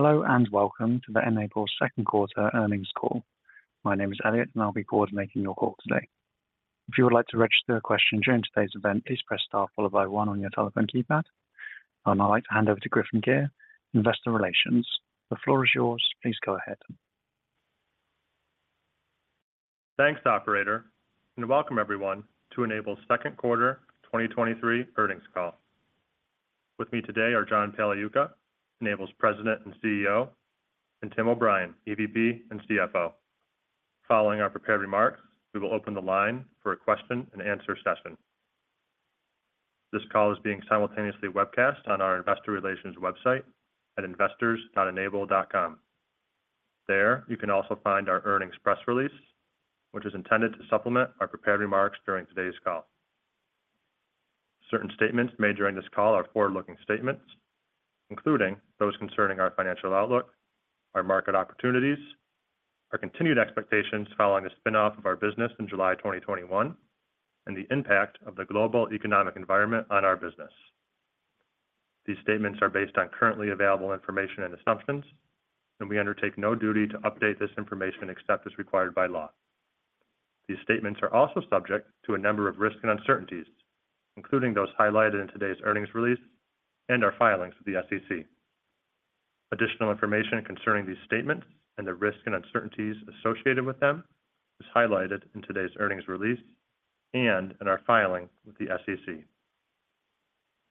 Hello, and welcome to the N-able second quarter earnings call. My name is Elliot, and I'll be coordinating your call today. If you would like to register a question during today's event, please press Star followed by one on your telephone keypad. And I'd like to hand over to Griffin Gyr, Investor Relations. The floor is yours. Please go ahead. Thanks, operator, welcome everyone to N-able second quarter 2023 earnings call. With me today are John Pagliuca, N-able's President and CEO, and Tim O'Brien, EVP and CFO. Following our prepared remarks, we will open the line for a question-and-answer session. This call is being simultaneously webcast on our investor relations website at investors.n-able.com. There, you can also find our earnings press release, which is intended to supplement our prepared remarks during today's call. Certain statements made during this call are forward-looking statements, including those concerning our financial outlook, our market opportunities, our continued expectations following the spin-off of our business in July 2021, and the impact of the global economic environment on our business. These statements are based on currently available information and assumptions, we undertake no duty to update this information except as required by law. These statements are also subject to a number of risks and uncertainties, including those highlighted in today's earnings release and our filings with the SEC. Additional information concerning these statements and the risks and uncertainties associated with them is highlighted in today's earnings release and in our filing with the SEC.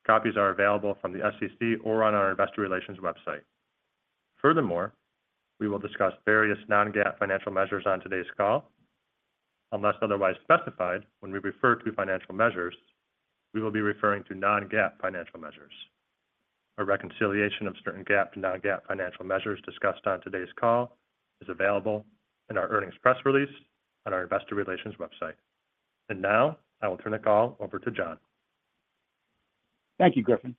Copies are available from the SEC or on our investor relations website. Furthermore, we will discuss various non-GAAP financial measures on today's call. Unless otherwise specified, when we refer to financial measures, we will be referring to non-GAAP financial measures. A reconciliation of certain GAAP to non-GAAP financial measures discussed on today's call is available in our earnings press release on our investor relations website. Now, I will turn the call over to John. Thank you, Griffin.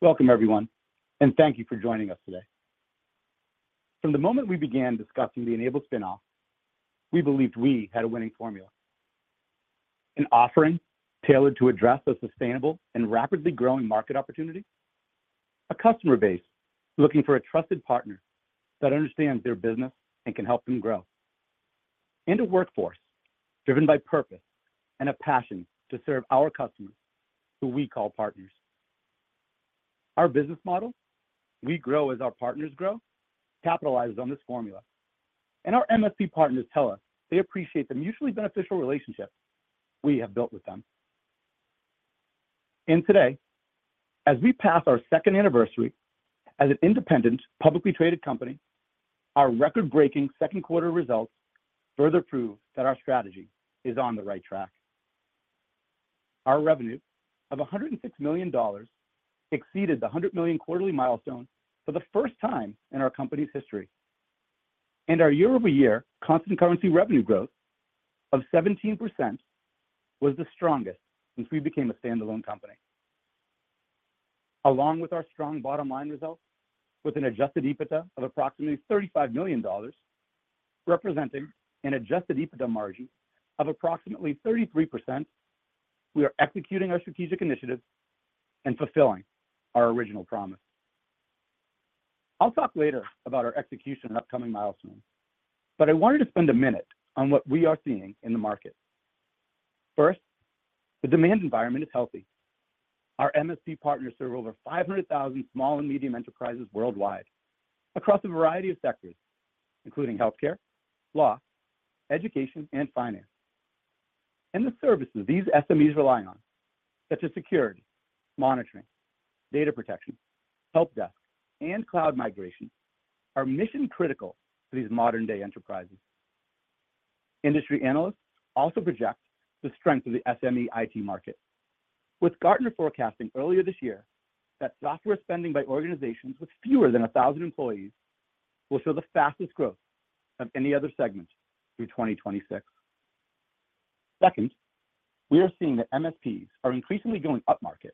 Welcome, everyone, and thank you for joining us today. From the moment we began discussing the N-able spin-off, we believed we had a winning formula: an offering tailored to address a sustainable and rapidly growing market opportunity, a customer base looking for a trusted partner that understands their business and can help them grow, and a workforce driven by purpose and a passion to serve our customers, who we call partners. Our business model, we grow as our partners grow, capitalizes on this formula, and our MSP partners tell us they appreciate the mutually beneficial relationship we have built with them. Today, as we pass our second anniversary as an independent, publicly traded company, our record-breaking second quarter results further prove that our strategy is on the right track. Our revenue of $106 million exceeded the $100 million quarterly milestone for the first time in our company's history, and our year-over-year constant currency revenue growth of 17% was the strongest since we became a standalone company. Along with our strong bottom line results, with an adjusted EBITDA of approximately $35 million, representing an adjusted EBITDA margin of approximately 33%, we are executing our strategic initiatives and fulfilling our original promise. I'll talk later about our execution and upcoming milestones, but I wanted to spend a minute on what we are seeing in the market. First, the demand environment is healthy. Our MSP partners serve over 500,000 small and medium enterprises worldwide across a variety of sectors, including healthcare, law, education, and finance. The services these SMEs rely on, such as security, monitoring, data protection, help desk, and cloud migration, are mission-critical to these modern-day enterprises. Industry analysts also project the strength of the SME IT market, with Gartner forecasting earlier this year that software spending by organizations with fewer than 1,000 employees will show the fastest growth of any other segment through 2026. Second, we are seeing that MSPs are increasingly going upmarket,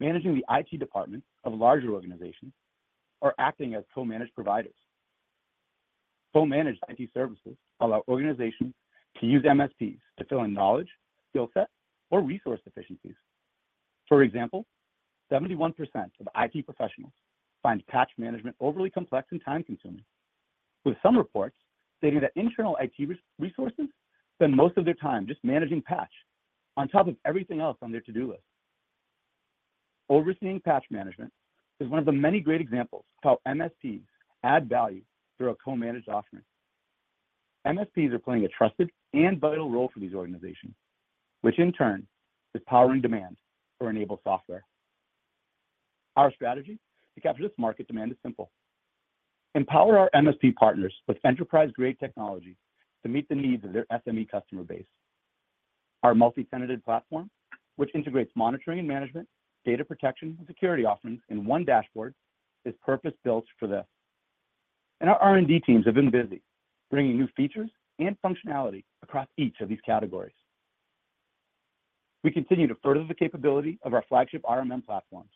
managing the IT department of larger organizations or acting as co-managed providers. Co-managed IT services allow organizations to use MSPs to fill in knowledge, skill set, or resource deficiencies. For example, 71% of IT professionals find patch management overly complex and time-consuming, with some reports stating that internal IT resources spend most of their time just managing patch on top of everything else on their to-do list. Overseeing patch management is one of the many great examples of how MSPs add value through a co-managed offering. MSPs are playing a trusted and vital role for these organizations, which in turn is powering demand for N-able software. Our strategy to capture this market demand is simple: empower our MSP partners with enterprise-grade technology to meet the needs of their SME customer base. Our multi-tenanted platform, which integrates monitoring and management, data protection, and security offerings in one dashboard, is purpose-built for this. Our R&D teams have been busy bringing new features and functionality across each of these categories. We continue to further the capability of our flagship RMM platforms,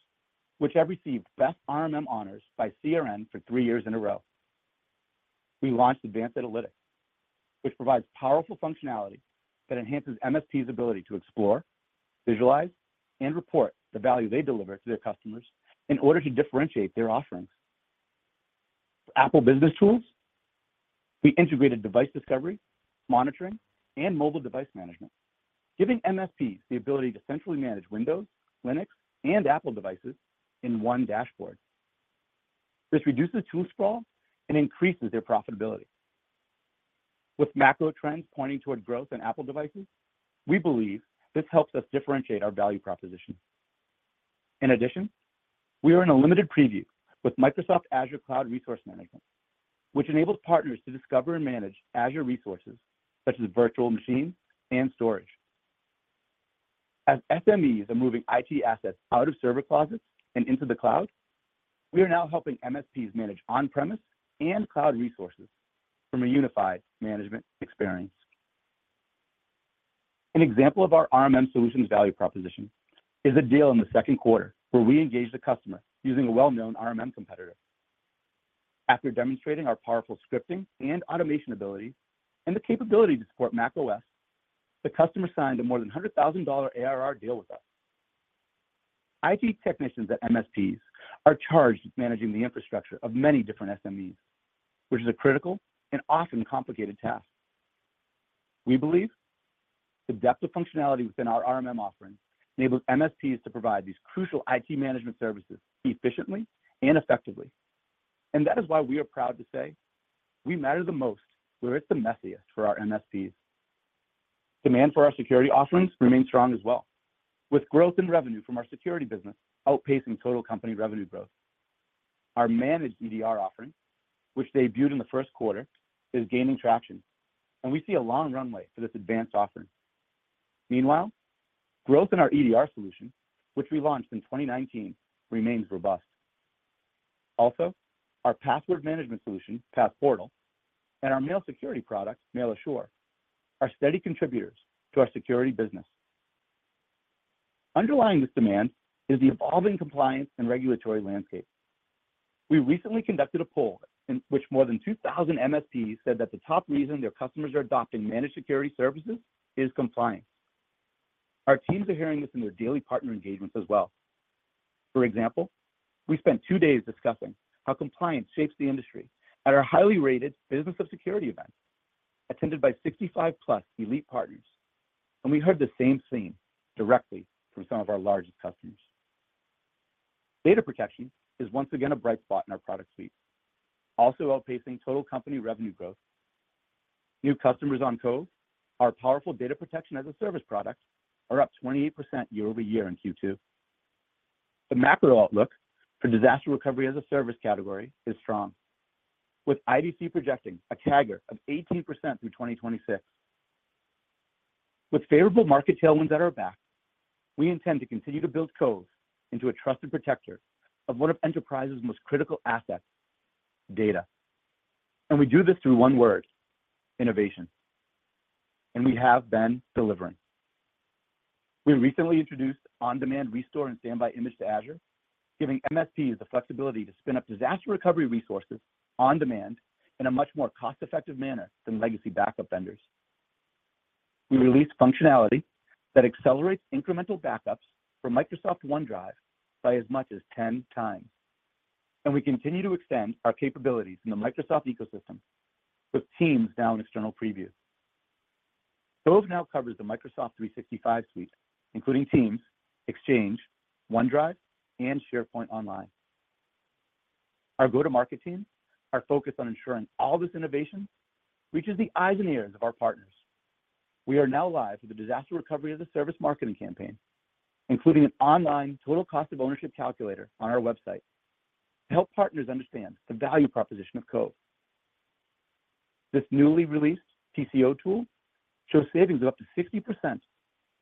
which have received best RMM honors by CRN for three years in a row. We launched Advanced Analytics, which provides powerful functionality that enhances MSP's ability to explore, visualize, and report the value they deliver to their customers in order to differentiate their offerings. Apple Business Tools, we integrated device discovery, monitoring, and mobile device management, giving MSPs the ability to centrally manage Windows, Linux, and Apple devices in one dashboard. This reduces tool sprawl and increases their profitability. With macro trends pointing toward growth in Apple devices, we believe this helps us differentiate our value proposition. In addition, we are in a limited preview with Microsoft Azure Cloud Resource Management, which enables partners to discover and manage Azure resources such as virtual machines and storage. As SMEs are moving IT assets out of server closets and into the cloud, we are now helping MSPs manage on-premise and cloud resources from a unified management experience. An example of our RMM solutions value proposition is a deal in the second quarter where we engaged the customer using a well-known RMM competitor. After demonstrating our powerful scripting and automation ability, and the capability to support macOS, the customer signed a more than $100,000 ARR deal with us. IT technicians at MSPs are charged with managing the infrastructure of many different SMEs, which is a critical and often complicated task. We believe the depth of functionality within our RMM offerings enables MSPs to provide these crucial IT management services efficiently and effectively. That is why we are proud to say we matter the most, where it's the messiest for our MSPs. Demand for our security offerings remains strong as well, with growth in revenue from our security business outpacing total company revenue growth. Our managed EDR offering, which debuted in the first quarter, is gaining traction, and we see a long runway for this advanced offering. Meanwhile, growth in our EDR solution, which we launched in 2019, remains robust. Our password management solution, Passportal, and our mail security product, Mail Assure, are steady contributors to our security business. Underlying this demand is the evolving compliance and regulatory landscape. We recently conducted a poll in which more than 2,000 MSPs said that the top reason their customers are adopting managed security services is compliance. Our teams are hearing this in their daily partner engagements as well. For example, we spent two days discussing how compliance shapes the industry at our highly rated Business of Security event, attended by 65+ elite partners, and we heard the same theme directly from some of our largest customers. Data protection is once again a bright spot in our product suite, also outpacing total company revenue growth. New customers on Cove, our powerful data protection-as-a-service product, are up 28% year-over-year in Q2. The macro outlook for disaster recovery-as-a-service category is strong, with IDC projecting a CAGR of 18% through 2026. With favorable market tailwinds at our back, we intend to continue to build Cove into a trusted protector of one of enterprise's most critical assets, data. We do this through one word: innovation. We have been delivering. We recently introduced on-demand restore and standby image to Azure, giving MSPs the flexibility to spin up disaster recovery resources on demand in a much more cost-effective manner than legacy backup vendors. We released functionality that accelerates incremental backups from Microsoft OneDrive by as much as 10 times, and we continue to extend our capabilities in the Microsoft ecosystem with Teams now in external preview. Cove now covers the Microsoft 365 suite, including Teams, Exchange, OneDrive, and SharePoint Online. Our go-to-market team are focused on ensuring all this innovation reaches the eyes and ears of our partners. We are now live with a disaster recovery-as-a-service marketing campaign, including an online total cost of ownership calculator on our website, to help partners understand the value proposition of Cove. This newly released TCO tool shows savings of up to 60%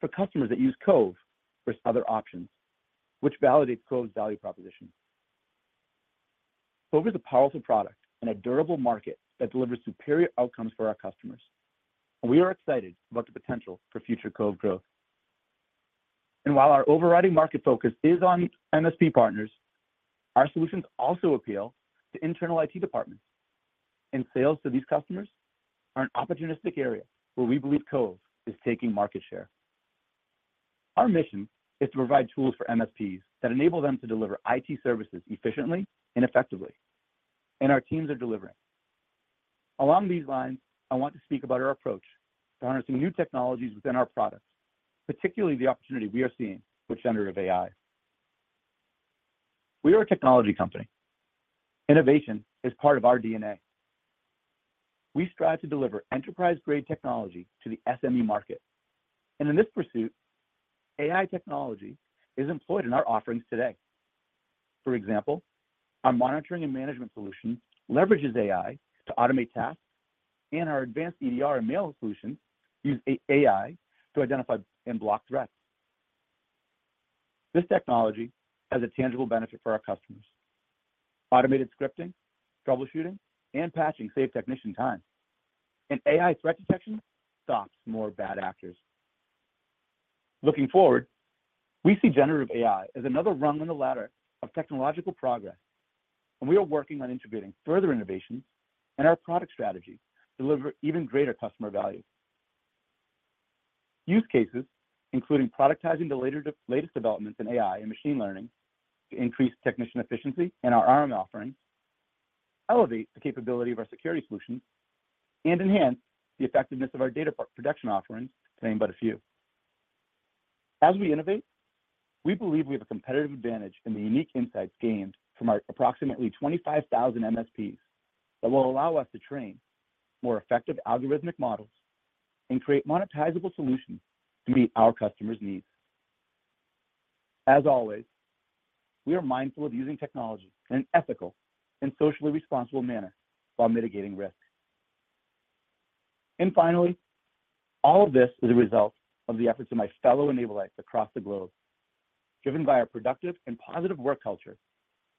for customers that use Cove versus other options, which validates Cove's value proposition. Cove is a powerful product and a durable market that delivers superior outcomes for our customers, and we are excited about the potential for future Cove growth. While our overriding market focus is on MSP partners, our solutions also appeal to internal IT departments, and sales to these customers are an opportunistic area where we believe Cove is taking market share. Our mission is to provide tools for MSPs that enable them to deliver IT services efficiently and effectively, and our teams are delivering. Along these lines, I want to speak about our approach to harnessing new technologies within our products, particularly the opportunity we are seeing with generative AI. We are a technology company. Innovation is part of our DNA. We strive to deliver enterprise-grade technology to the SME market, and in this pursuit, AI technology is employed in our offerings today. For example, our monitoring and management solution leverages AI to automate tasks, and our advanced EDR and mail solutions use AI to identify and block threats. This technology has a tangible benefit for our customers. Automated scripting, troubleshooting, and patching save technician time. AI threat detection stops more bad actors. Looking forward, we see generative AI as another rung on the ladder of technological progress. We are working on integrating further innovation in our product strategy to deliver even greater customer value. Use cases, including productizing the latest developments in AI and machine learning to increase technician efficiency in our RM offerings, elevate the capability of our security solutions, and enhance the effectiveness of our data protection offerings, to name but a few. As we innovate, we believe we have a competitive advantage in the unique insights gained from our approximately 25,000 MSPs that will allow us to train more effective algorithmic models and create monetizable solutions to meet our customers' needs. As always, we are mindful of using technology in an ethical and socially responsible manner while mitigating risk. Finally, all of this is a result of the efforts of my fellow N-ablites across the globe, driven by our productive and positive work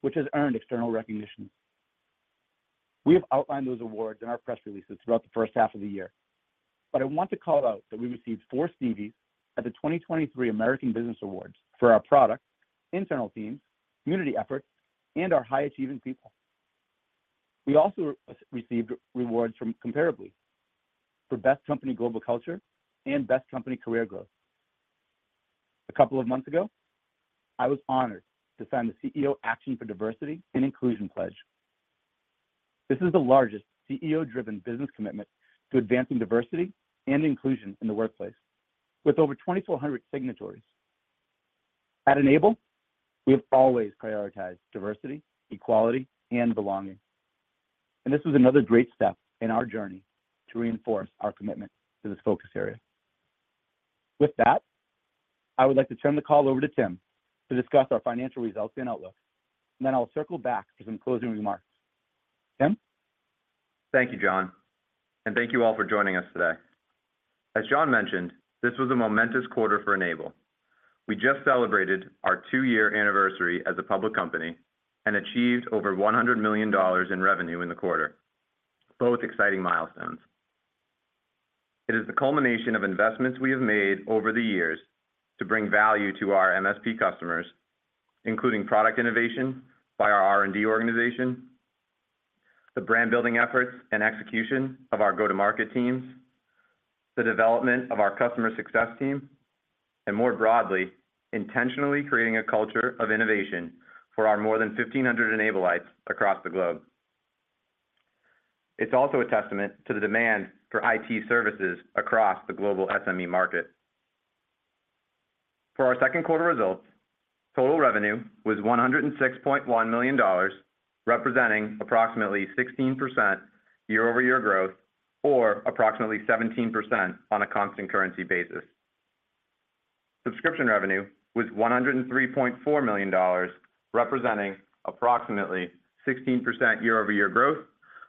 culture, which has earned external recognition. We have outlined those awards in our press releases throughout the first half of the year, but I want to call out that we received four Stevies at the 2023 American Business Awards for our product, internal teams, community efforts, and our high-achieving people. We also received rewards from Comparably for Best Company Global Culture and Best Company Career Growth. A couple of months ago, I was honored to sign the CEO Action for Diversity & Inclusion pledge. This is the largest CEO-driven business commitment to advancing diversity and inclusion in the workplace, with over 2,400 signatories. At N-able, we have always prioritized diversity, equality, and belonging. This was another great step in our journey to reinforce our commitment to this focus area. With that, I would like to turn the call over to Tim to discuss our financial results and outlook. I will circle back for some closing remarks. Tim? Thank you, John, and thank you all for joining us today. As John mentioned, this was a momentous quarter for N-able. We just celebrated our two-year anniversary as a public company and achieved over $100 million in revenue in the quarter, both exciting milestones. It is the culmination of investments we have made over the years to bring value to our MSP customers, including product innovation by our R&D organization, the brand-building efforts and execution of our go-to-market teams, the development of our customer success team, and more broadly, intentionally creating a culture of innovation for our more than 1,500 N-ablites across the globe. It's also a testament to the demand for IT services across the global SME market. For our second quarter results, total revenue was $106.1 million, representing approximately 16% year-over-year growth, or approximately 17% on a constant currency basis. Subscription revenue was $103.4 million, representing approximately 16% year-over-year growth,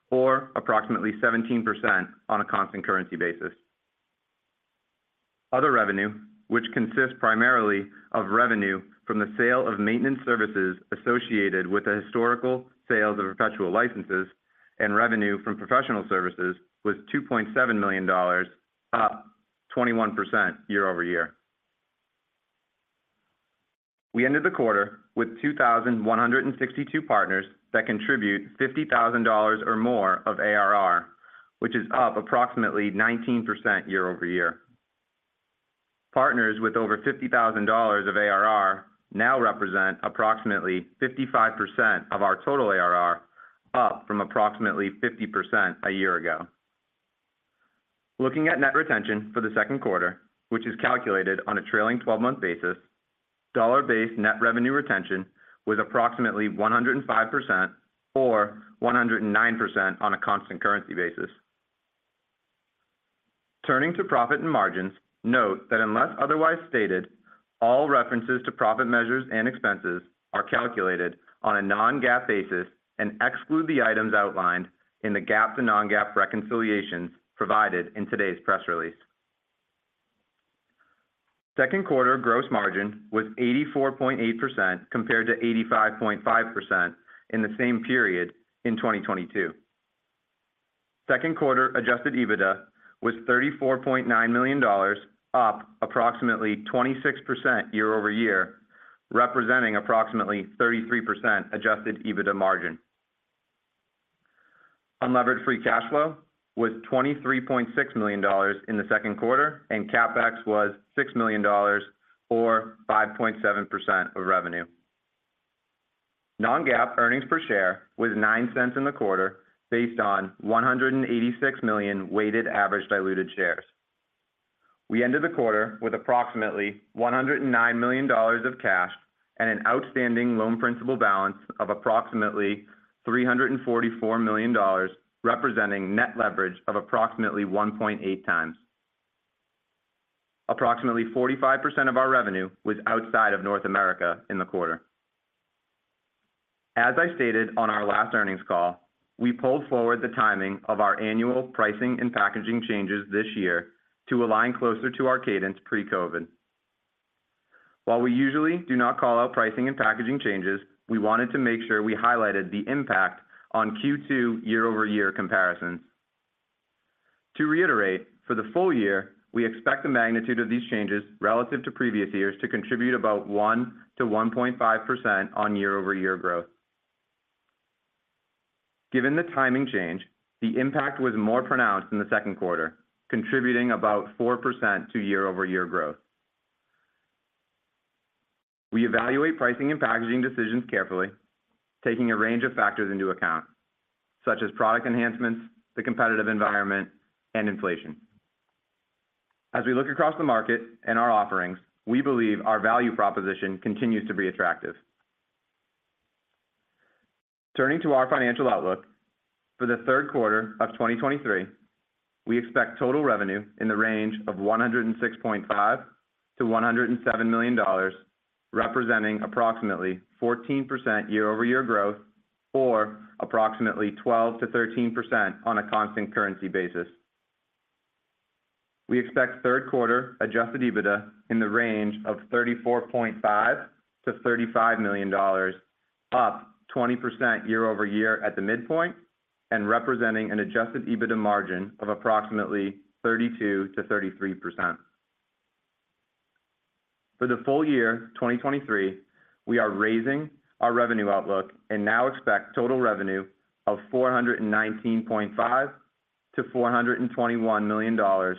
or approximately 17% on a constant currency basis. Other revenue, which consists primarily of revenue from the sale of maintenance services associated with the historical sales of perpetual licenses and revenue from professional services, was $2.7 million, up 21% year-over-year. We ended the quarter with 2,162 partners that contribute $50,000 or more of ARR, which is up approximately 19% year-over-year. Partners with over $50,000 of ARR now represent approximately 55% of our total ARR, up from approximately 50% a year ago. Looking at net retention for the second quarter, which is calculated on a trailing 12-month basis, dollar-based net revenue retention was approximately 105%, or 109% on a constant currency basis. Turning to profit and margins, note that unless otherwise stated, all references to profit measures and expenses are calculated on a non-GAAP basis and exclude the items outlined in the GAAP to non-GAAP reconciliations provided in today's press release. Second quarter gross margin was 84.8%, compared to 85.5% in the same period in 2022. Second quarter adjusted EBITDA was $34.9 million, up approximately 26% year-over-year, representing approximately 33% adjusted EBITDA margin. Unlevered free cash flow was $23.6 million in the second quarter, and CapEx was $6 million, or 5.7% of revenue. Non-GAAP earnings per share was $0.09 in the quarter, based on 186 million weighted average diluted shares. We ended the quarter with approximately $109 million of cash and an outstanding loan principal balance of approximately $344 million, representing net leverage of approximately 1.8 times. Approximately 45% of our revenue was outside of North America in the quarter. As I stated on our last earnings call, we pulled forward the timing of our annual pricing and packaging changes this year to align closer to our cadence pre-COVID. While we usually do not call out pricing and packaging changes, we wanted to make sure we highlighted the impact on Q2 year-over-year comparisons. To reiterate, for the full year, we expect the magnitude of these changes relative to previous years to contribute about 1%-1.5% on year-over-year growth. Given the timing change, the impact was more pronounced in the second quarter, contributing about 4% to year-over-year growth. We evaluate pricing and packaging decisions carefully, taking a range of factors into account, such as product enhancements, the competitive environment, and inflation. As we look across the market and our offerings, we believe our value proposition continues to be attractive. Turning to our financial outlook, for the third quarter of 2023, we expect total revenue in the range of $106.5 million-$107 million, representing approximately 14% year-over-year growth, or approximately 12%-13% on a constant currency basis. We expect third quarter adjusted EBITDA in the range of $34.5 million-$35 million, up 20% year-over-year at the midpoint, and representing an adjusted EBITDA margin of approximately 32%-33%. For the full year 2023, we are raising our revenue outlook and now expect total revenue of $419.5 million-$421 million,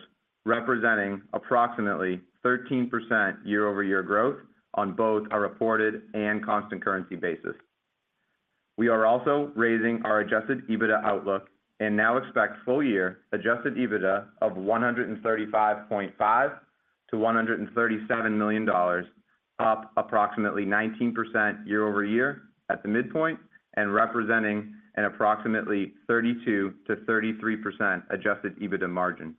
representing approximately 13% year-over-year growth on both a reported and constant currency basis. We are also raising our adjusted EBITDA outlook and now expect full year adjusted EBITDA of $135.5 million-$137 million, up approximately 19% year-over-year at the midpoint and representing an approximately 32%-33% adjusted EBITDA margin.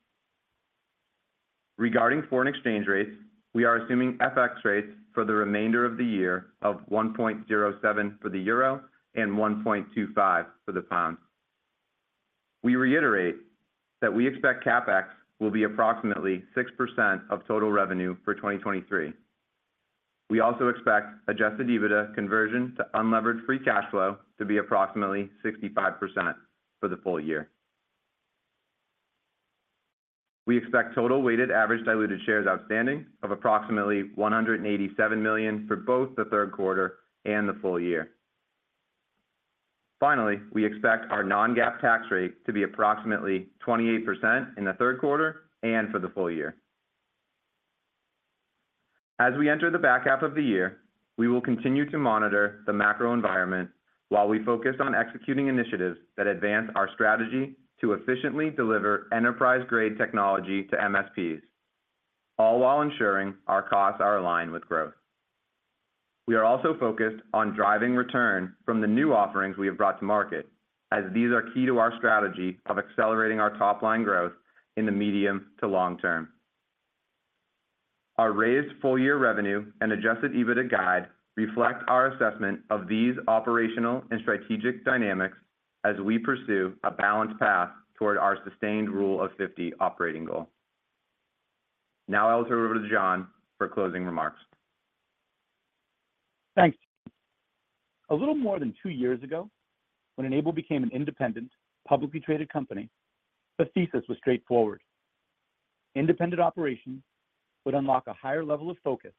Regarding foreign exchange rates, we are assuming FX rates for the remainder of the year of 1.07 for the Euro and 1.25 for the Pound. We reiterate that we expect CapEx will be approximately 6% of total revenue for 2023. We also expect adjusted EBITDA conversion to unlevered free cash flow to be approximately 65% for the full year. We expect total weighted average diluted shares outstanding of approximately 187 million for both the third quarter and the full year. Finally, we expect our non-GAAP tax rate to be approximately 28% in the third quarter and for the full year. As we enter the back half of the year, we will continue to monitor the macro environment while we focus on executing initiatives that advance our strategy to efficiently deliver enterprise-grade technology to MSPs, all while ensuring our costs are aligned with growth. We are also focused on driving return from the new offerings we have brought to market, as these are key to our strategy of accelerating our top-line growth in the medium to long term. Our raised full-year revenue and adjusted EBITDA guide reflect our assessment of these operational and strategic dynamics as we pursue a balanced path toward our sustained Rule of 50 operating goal. Now I'll turn it over to John for closing remarks. Thanks. A little more than two years ago, when N-able became an independent, publicly traded company, the thesis was straightforward. Independent operations would unlock a higher level of focus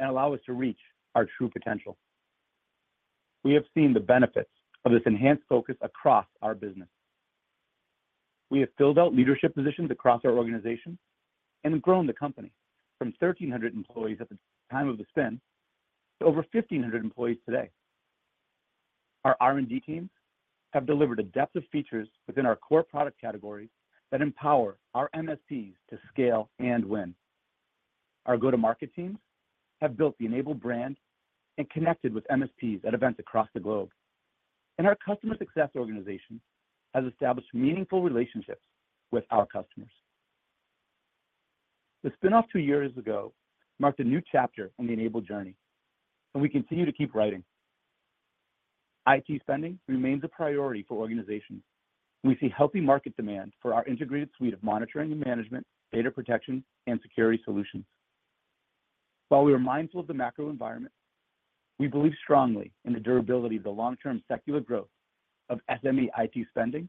and allow us to reach our true potential. We have seen the benefits of this enhanced focus across our business. We have filled out leadership positions across our organization and grown the company from 1,300 employees at the time of the spin to over 1,500 employees today. Our R&D teams have delivered a depth of features within our core product categories that empower our MSPs to scale and win. Our go-to-market teams have built the N-able brand and connected with MSPs at events across the globe, and our customer success organization has established meaningful relationships with our customers. The spin-off two years ago marked a new chapter in the N-able journey, and we continue to keep writing. IT spending remains a priority for organizations. We see healthy market demand for our integrated suite of monitoring and management, data protection, and security solutions. While we are mindful of the macro environment, we believe strongly in the durability of the long-term secular growth of SME IT spending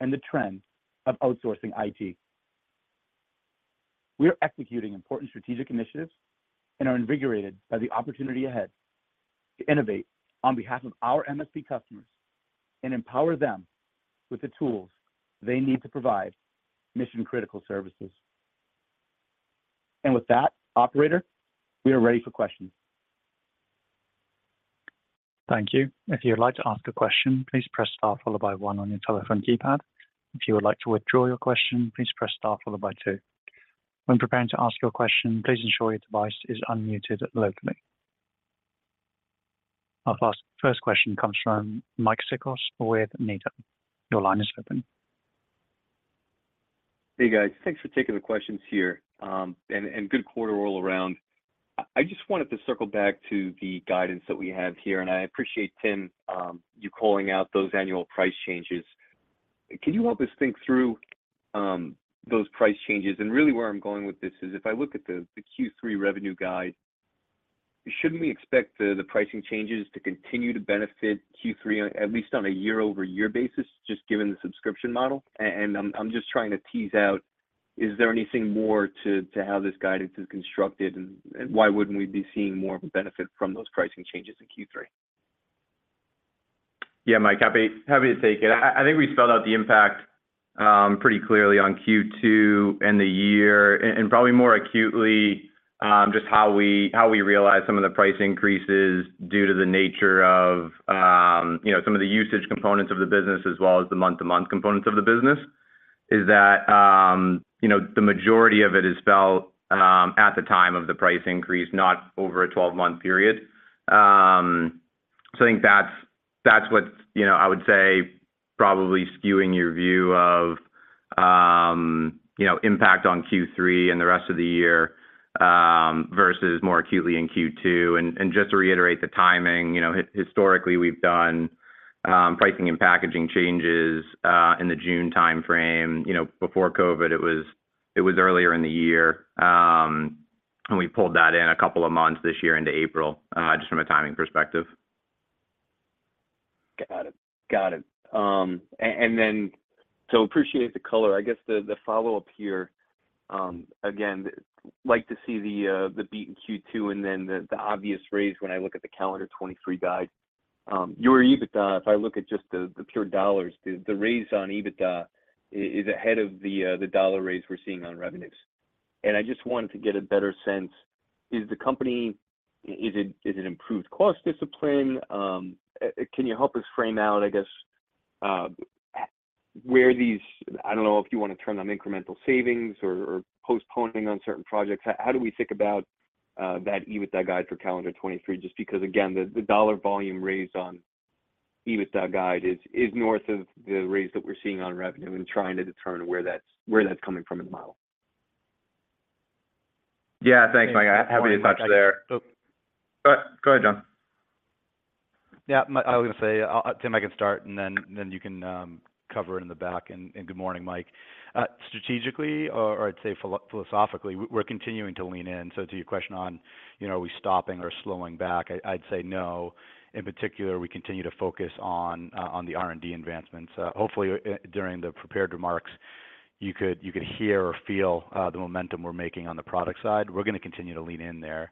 and the trend of outsourcing IT. We are executing important strategic initiatives and are invigorated by the opportunity ahead to innovate on behalf of our MSP customers and empower them with the tools they need to provide mission-critical services. With that, operator, we are ready for questions. Thank you. If you'd like to ask a question, please press star followed by one on your telephone keypad. If you would like to withdraw your question, please press star followed by two. When preparing to ask your question, please ensure your device is unmuted locally. Our first, first question comes from Mike Cikos with Needham. Your line is open. Hey, guys. Thanks for taking the questions here, and, and good quarter all around. I just wanted to circle back to the guidance that we have here, and I appreciate, Tim, you calling out those annual price changes. Can you help us think through those price changes? And really where I'm going with this is, if I look at the, the Q3 revenue, shouldn't we expect the, the pricing changes to continue to benefit Q3, at least on a year-over-year basis, just given the subscription model? And, and I'm, I'm just trying to tease out, is there anything more to, to how this guidance is constructed, and, and why wouldn't we be seeing more of a benefit from those pricing changes in Q3? Yeah, Mike, happy, happy to take it. I, I think we spelled out the impact pretty clearly on Q2 and the year, and, and probably more acutely, just how we, how we realize some of the price increases due to the nature of, you know, some of the usage components of the business as well as the month-to-month components of the business, is that, you know, the majority of it is felt at the time of the price increase, not over a 12-month period. I think that's, that's what, you know, I would say probably skewing your view of, you know, impact on Q3 and the rest of the year, versus more acutely in Q2. Just to reiterate the timing, you know, historically, we've done pricing and packaging changes in the June timeframe. You know, before COVID, it was, it was earlier in the year, we pulled that in a couple of months this year into April, just from a timing perspective. Got it. Got it. Then so appreciate the color. I guess the follow-up here, again, like to see the beat in Q2, and then the obvious raise when I look at the calendar 2023 guide. Your EBITDA, if I look at just the pure dollars, the raise on EBITDA is ahead of the dollar raise we're seeing on revenues. I just wanted to get a better sense, is the company, is it improved cost discipline? Can you help us frame out, I guess, where these... I don't know if you want to term them incremental savings or postponing on certain projects. How do we think about that EBITDA guide for calendar 2023? Just because, again, the dollar volume raised on EBITDA guide is north of the raise that we're seeing on revenue, and trying to determine where that's coming from in the model. Yeah. Thanks, Mike. I'm happy to touch there. So- Go, go ahead, John. Yeah, I was gonna say, Tim, I can start, and then, then you can cover it in the back. Good morning, Mike. Strategically, or, or I'd say philosophically, we're, we're continuing to lean in. To your question on, you know, are we stopping or slowing back, I'd say no. In particular, we continue to focus on the R&D advancements. Hopefully, during the prepared remarks, you could, you could hear or feel the momentum we're making on the product side. We're gonna continue to lean in there.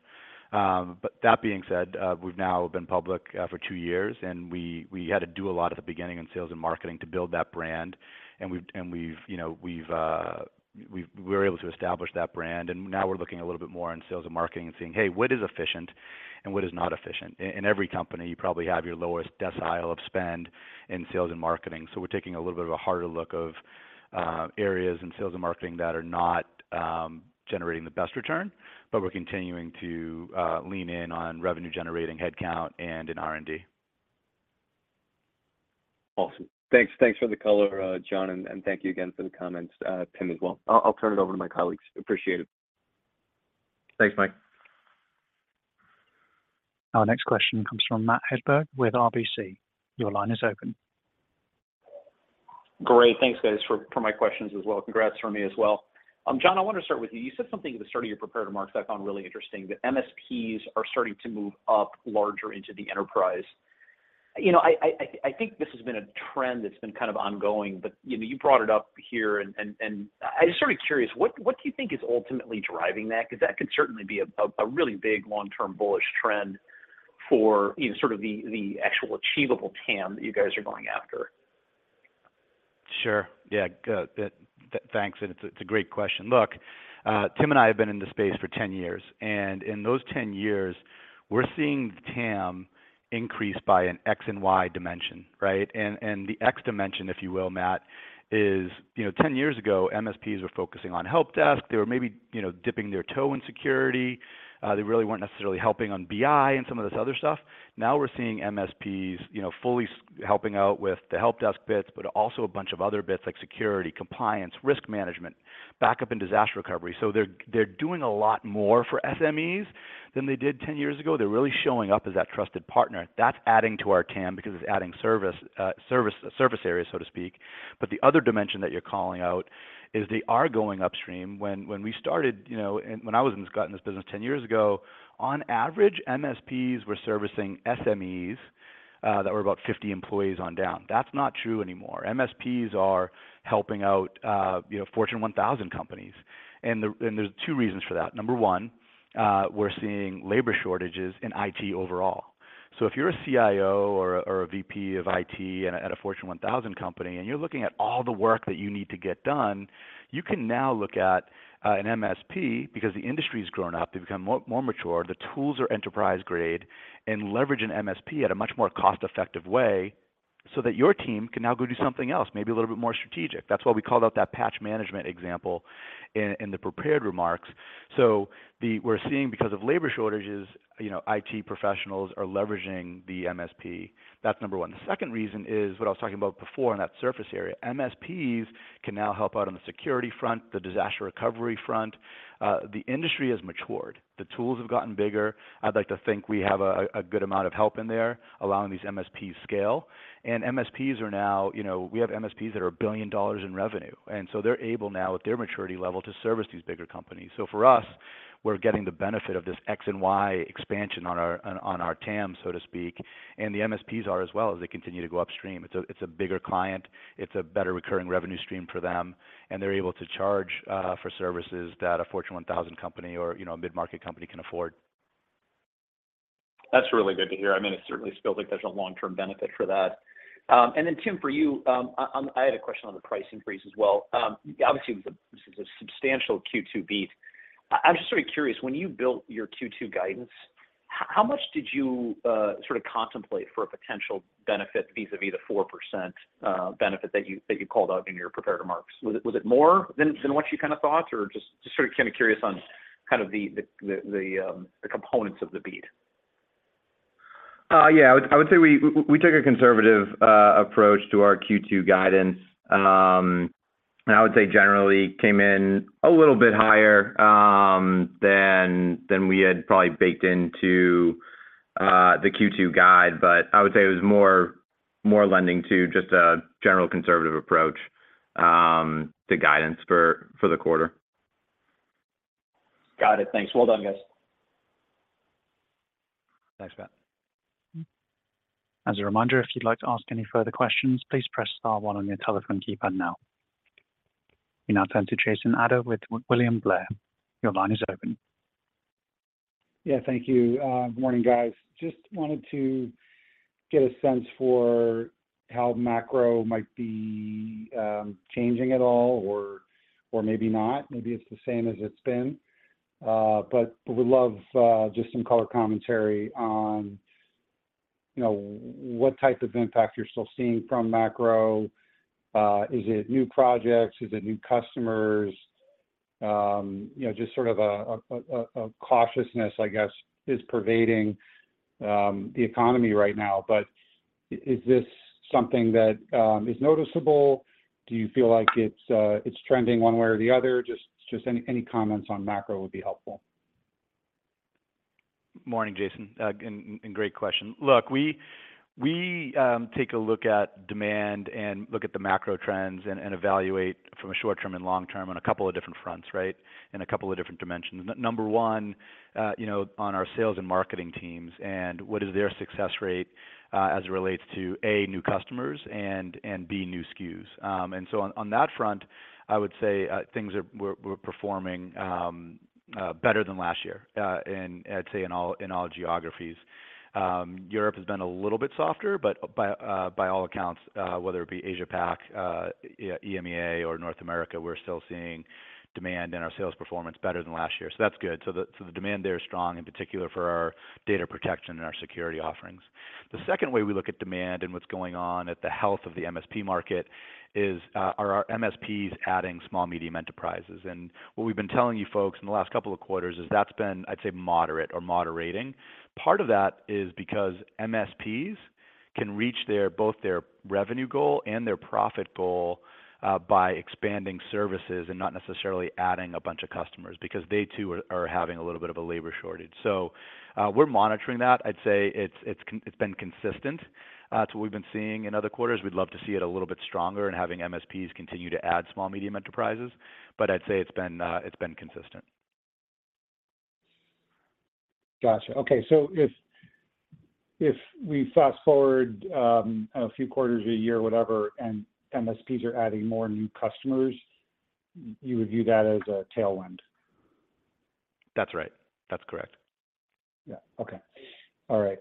That being said, we've now been public for two years, and we, we had to do a lot at the beginning in sales and marketing to build that brand, and we're able to establish that brand, and now we're looking a little bit more on sales and marketing and saying, "Hey, what is efficient and what is not efficient?" In every company, you probably have your lowest decile of spend in sales and marketing, so we're taking a little bit of a harder look of areas in sales and marketing that are not generating the best return, but we're continuing to lean in on revenue-generating headcount and in R&D. Awesome. Thanks, thanks for the color, John, and, and thank you again for the comments, Tim, as well. I'll, I'll turn it over to my colleagues. Appreciate it. Thanks, Mike. Our next question comes from Matt Hedberg with RBC. Your line is open. Great. Thanks, guys, for, for my questions as well. Congrats for me as well. John, I want to start with you. You said something at the start of your prepared remarks that I found really interesting, that MSPs are starting to move up larger into the enterprise. You know, I, I, I, I think this has been a trend that's been kind of ongoing, but, you know, you brought it up here and, and, and I'm just sort of curious, what, what do you think is ultimately driving that? 'Cause that could certainly be a, a, a really big long-term bullish trend for, you know, sort of the, the actual achievable TAM that you guys are going after. Sure. Yeah, good. Thanks, it's a, it's a great question. Look, Tim and I have been in this space for 10 years, in those 10 years, we're seeing TAM increase by an X and Y dimension, right? The X dimension, if you will, Matt, is... You know, 10 years ago, MSPs were focusing on help desk. They were maybe, you know, dipping their toe in security. They really weren't necessarily helping on BI and some of this other stuff. Now, we're seeing MSPs, you know, fully helping out with the help desk bits, but also a bunch of other bits like security, compliance, risk management, backup and disaster recovery. They're, they're doing a lot more for SMEs than they did 10 years ago. They're really showing up as that trusted partner. That's adding to our TAM because it's adding service, service, service areas, so to speak. The other dimension that you're calling out is they are going upstream. When, when we started, you know, and when I was in this in this business 10 years ago, on average, MSPs were servicing SMEs, that were about 50 employees on down. That's not true anymore. MSPs are helping out, you know, Fortune 1000 companies, and there's two reasons for that. Number one, we're seeing labor shortages in IT overall. If you're a CIO or a, or a VP of IT at a, at a Fortune 1000 company, and you're looking at all the work that you need to get done, you can now look at an MSP, because the industry's grown up, they've become more, more mature, the tools are enterprise-grade, and leverage an MSP at a much more cost-effective way, so that your team can now go do something else, maybe a little bit more strategic. That's why we called out that patch management example in, in the prepared remarks. We're seeing, because of labor shortages, you know, IT professionals are leveraging the MSP. That's number one. The second reason is, what I was talking about before in that surface area, MSPs can now help out on the security front, the disaster recovery front. The industry has matured. The tools have gotten bigger. I'd like to think we have a good amount of help in there, allowing these MSPs scale. MSPs are now. You know, we have MSPs that are $1 billion in revenue, and so they're able now, with their maturity level, to service these bigger companies. For us, we're getting the benefit of this X and Y expansion on our TAM, so to speak, and the MSPs are as well, as they continue to go upstream. It's a bigger client, it's a better recurring revenue stream for them, and they're able to charge for services that a Fortune 1000 company or, you know, a mid-market company can afford. That's really good to hear. I mean, it certainly feels like there's a long-term benefit for that. Tim, for you, I had a question on the price increase as well. Obviously, this is a substantial Q2 beat. I'm just really curious, when you built your Q2 guidance, how much did you sort of contemplate for a potential benefit vis-a-vis the 4% benefit that you, that you called out in your prepared remarks? Was it, was it more than, than what you kind of thought? Or sort of kinda curious on kind of the components of the beat. Yeah, I would, I would say we, we took a conservative approach to our Q2 guidance. I would say generally came in a little bit higher than, than we had probably baked into the Q2 guide. I would say it was more, more lending to just a general conservative approach to guidance for, for the quarter. Got it. Thanks. Well done, guys. Thanks, Matt. As a reminder, if you'd like to ask any further questions, please press star one on your telephone keypad now. We now turn to Jason Ader with William Blair. Your line is open. Yeah, thank you. Good morning, guys. Just wanted to get a sense for how macro might be changing at all, or, or maybe not, maybe it's the same as it's been. Would love just some color commentary on, you know, what type of impact you're still seeing from macro. Is it new projects? Is it new customers? You know, just sort of a cautiousness, I guess, is pervading the economy right now. Is this something that is noticeable? Do you feel like it's trending one way or the other? Just, just any, any comments on macro would be helpful. Morning, Jason, and great question. Look, we, we take a look at demand and look at the macro trends and evaluate from a short term and long term on a couple of different fronts, right? A couple of different dimensions. Number one, you know, on our sales and marketing teams, and what is their success rate, as it relates to, A, new customers, and, B, new SKUs. On that front, I would say, things are, we're performing better than last year, and I'd say in all geographies. Europe has been a little bit softer, but by all accounts, whether it be Asia Pac, EMEA, or North America, we're still seeing demand and our sales performance better than last year. That's good. The demand there is strong, in particular for our data protection and our security offerings. The second way we look at demand and what's going on at the health of the MSP market is, are our MSPs adding small medium enterprises? What we've been telling you folks in the last 2 quarters is that's been, I'd say, moderate or moderating. Part of that is because MSPs can reach their, both their revenue goal and their profit goal, by expanding services and not necessarily adding a bunch of customers, because they too are having a little bit of a labor shortage. We're monitoring that. I'd say it's, it's been consistent. That's what we've been seeing in other quarters. We'd love to see it a little bit stronger and having MSPs continue to add small medium enterprises, but I'd say it's been, it's been consistent. Gotcha. Okay, so if, if we fast-forward, a few quarters, a year, whatever, and MSPs are adding more new customers, you would view that as a tailwind? That's right. That's correct. Yeah. Okay. All right,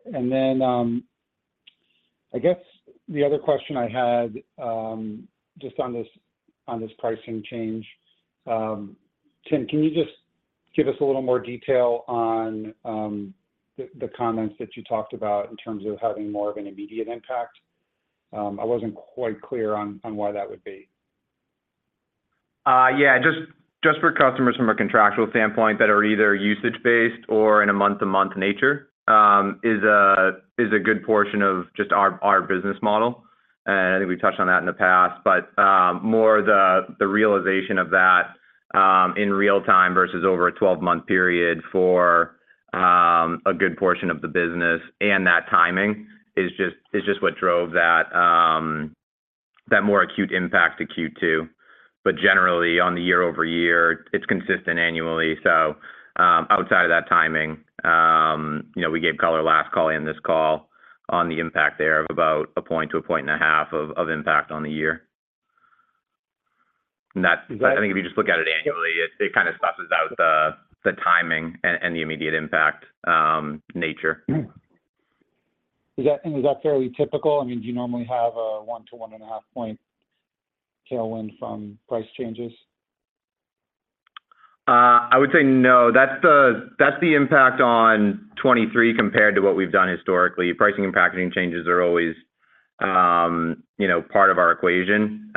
then, I guess the other question I had, just on this, on this pricing change, Tim, can you just give us a little more detail on, the, the comments that you talked about in terms of having more of an immediate impact? I wasn't quite clear on, on why that would be. Yeah, just, just for customers from a contractual standpoint that are either usage-based or in a month-to-month nature, is a good portion of just our, our business model, and I think we've touched on that in the past. More the, the realization of that, in real time versus over a 12-month period for, a good portion of the business, and that timing is just, is just what drove that, that more acute impact to Q2. Generally, on the year-over-year, it's consistent annually. Outside of that timing, you know, we gave color last call and this call on the impact there of about 1 point-1.5 points of impact on the year. I think if you just look at it annually, it, it kind of flattens out the, the timing and, and the immediate impact, nature. Mm-hmm. Is that, is that fairly typical? I mean, do you normally have a 1 to 1.5 point tailwind from price changes? I would say no. That's the, that's the impact on 2023 compared to what we've done historically. Pricing and packaging changes are always, you know, part of our equation.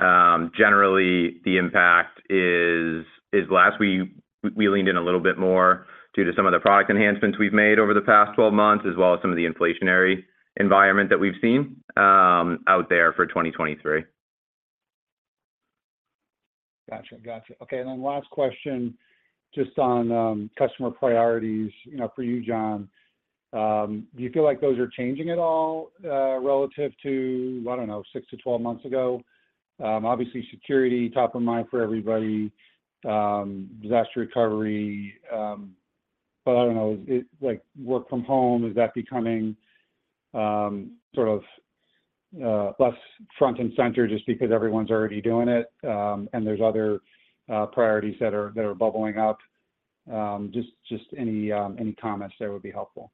Generally, the impact is, is last we leaned in a little bit more due to some of the product enhancements we've made over the past 12 months, as well as some of the inflationary environment that we've seen out there for 2023. Gotcha, gotcha. Okay, last question, just on customer priorities, you know, for you, John. Do you feel like those are changing at all relative to, I don't know, six to 12 months ago? Obviously security top of mind for everybody, disaster recovery, but I don't know, is it like work from home, is that becoming sort of less front and center just because everyone's already doing it, and there's other priorities that are bubbling up? Just any comments there would be helpful.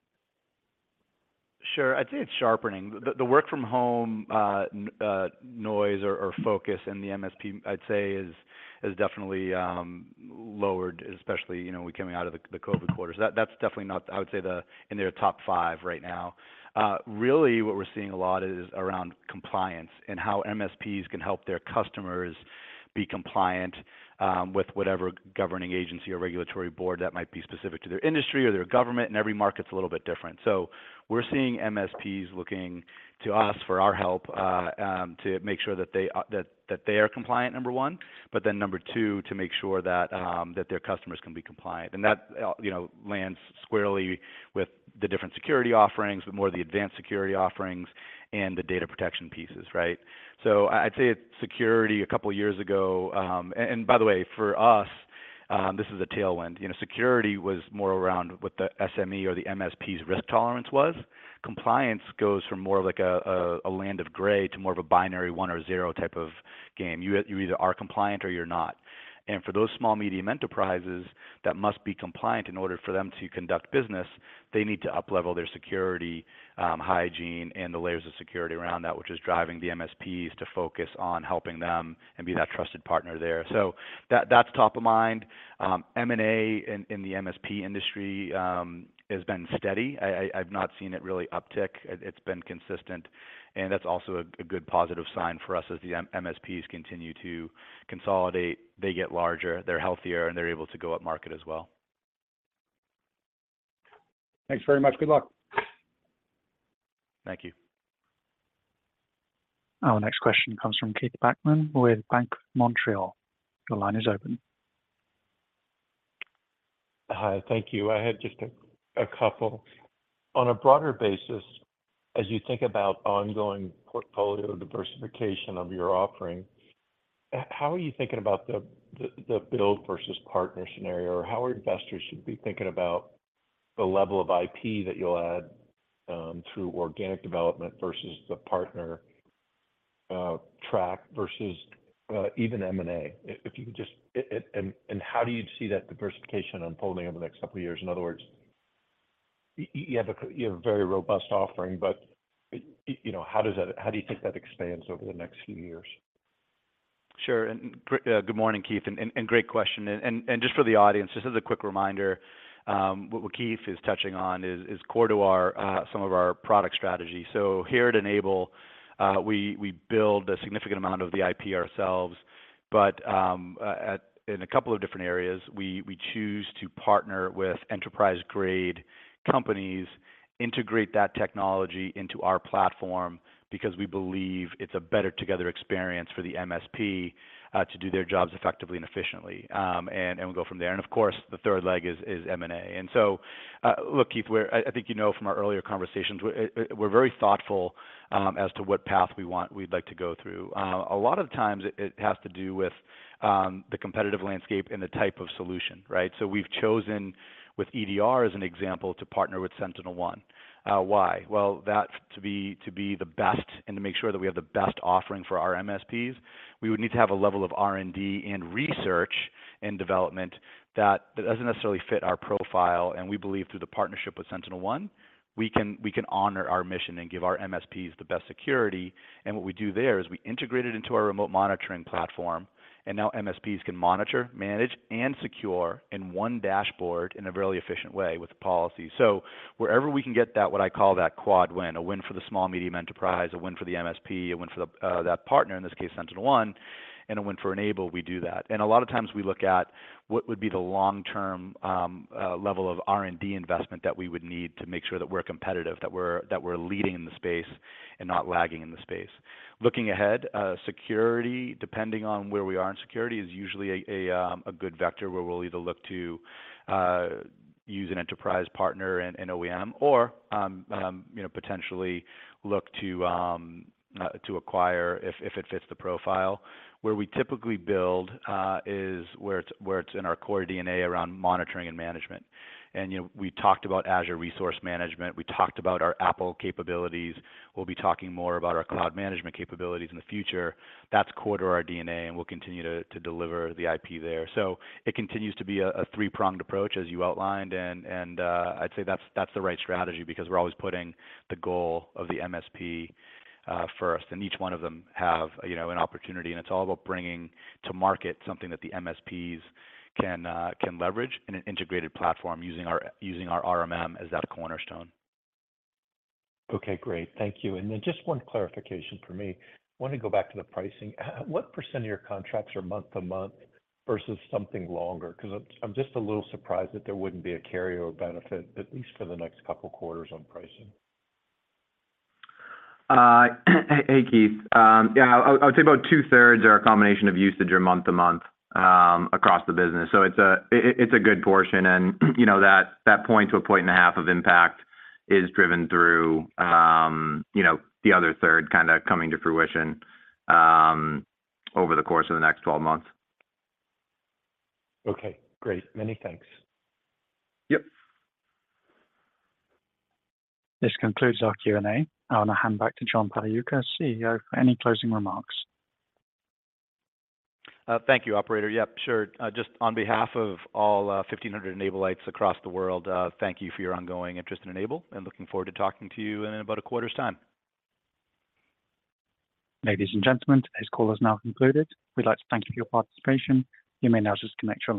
Sure. I'd say it's sharpening. The work from home noise or focus in the MSP, I'd say is definitely lowered, especially, you know, we're coming out of the COVID quarters. That's definitely not, I would say, the in their top five right now. Really, what we're seeing a lot is around compliance and how MSPs can help their customers be compliant with whatever governing agency or regulatory board that might be specific to their industry or their government, and every market's a little bit different. We're seeing MSPs looking to us for our help to make sure that they are compliant, number one, but then number two, to make sure that their customers can be compliant. That, you know, lands squarely with the different security offerings, with more of the advanced security offerings, and the data protection pieces, right? I'd, I'd say it's security a couple of years ago. By the way, for us, this is a tailwind. You know, security was more around what the SME or the MSP's risk tolerance was. Compliance goes from more of like a, a, a land of gray to more of a binary one or zero type of game. You, you either are compliant or you're not. For those small medium enterprises that must be compliant in order for them to conduct business, they need to uplevel their security hygiene and the layers of security around that, which is driving the MSPs to focus on helping them and be that trusted partner there. That, that's top of mind. M&A in, in the MSP industry, has been steady. I, I, I've not seen it really uptick. It, it's been consistent, and that's also a, a good positive sign for us. As the MSPs continue to consolidate, they get larger, they're healthier, and they're able to go upmarket as well. Thanks very much. Good luck. Thank you. Our next question comes from Keith Bachman with Bank of Montreal. Your line is open. Hi, thank you. I had just a couple. On a broader basis, as you think about ongoing portfolio diversification of your offering, how are you thinking about the build versus partner scenario? How are investors should be thinking about the level of IP that you'll add through organic development versus the partner track versus even M&A? If you could just... How do you see that diversification unfolding over the next couple of years? In other words, you have a very robust offering, but, you know, how does that... How do you think that expands over the next few years? Sure, and good morning, Keith, and, and, and great question. Just for the audience, just as a quick reminder, what, what Keith is touching on is, is core to our some of our product strategy. Here at N-able, we, we build a significant amount of the IP ourselves, but in a couple of different areas, we, we choose to partner with enterprise-grade companies, integrate that technology into our platform, because we believe it's a better together experience for the MSP to do their jobs effectively and efficiently. And we'll go from there. Of course, the third leg is, is M&A. Look, Keith, I, I think you know from our earlier conversations, we're very thoughtful as to what path we want, we'd like to go through. A lot of times it, it has to do with the competitive landscape and the type of solution, right? We've chosen, with EDR as an example, to partner with SentinelOne. Why? Well, that to be, to be the best and to make sure that we have the best offering for our MSPs, we would need to have a level of R&D and research and development that, that doesn't necessarily fit our profile, and we believe through the partnership with SentinelOne, we can, we can honor our mission and give our MSPs the best security. What we do there is we integrate it into our remote monitoring platform, and now MSPs can monitor, manage, and secure in one dashboard in a very efficient way with policy. Wherever we can get that, what I call that quad win, a win for the small medium enterprise, a win for the MSP, a win for that partner, in this case, SentinelOne, and a win for N-able, we do that. A lot of times we look at what would be the long-term level of R&D investment that we would need to make sure that we're competitive, that we're, that we're leading in the space and not lagging in the space. Looking ahead, security, depending on where we are in security, is usually a good vector where we'll either look to use an enterprise partner and OEM, or, you know, potentially look to acquire if it fits the profile. Where we typically build is where it's, where it's in our core DNA around monitoring and management. You know, we talked about Azure Resource Manager. We talked about our Apple capabilities. We'll be talking more about our cloud management capabilities in the future. That's core to our DNA, and we'll continue to, to deliver the IP there. It continues to be a, a three-pronged approach, as you outlined, I'd say that's, that's the right strategy because we're always putting the goal of the MSP first, and each one of them have, you know, an opportunity, and it's all about bringing to market something that the MSPs can leverage in an integrated platform using our, using our RMM as that cornerstone. Okay, great. Thank you. Then just one clarification for me. I want to go back to the pricing. What percent of your contracts are month to month versus something longer? Because I'm, I'm just a little surprised that there wouldn't be a carryover benefit, at least for the next couple quarters, on pricing? Hey, Keith. Yeah, I'll, I'll say about two-thirds are a combination of usage or month-to-month across the business. It's a good portion, and, you know, that 1 point to 1.5 points of impact is driven through, you know, the other third kind of coming to fruition over the course of the next 12 months. Okay, great. Many thanks. Yep. This concludes our Q&A. I want to hand back to John Pagliuca, CEO, for any closing remarks. Thank you, operator. Yep, sure. Just on behalf of all, 1,500 N-ablites across the world, thank you for your ongoing interest in N-able. Looking forward to talking to you in about a quarter's time. Ladies and gentlemen, this call has now concluded. We'd like to thank you for your participation. You may now disconnect your line.